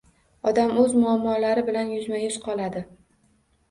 Odam o‘z muammolari bilan yuzma-yuz qoladi.